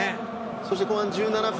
そして後半１７分。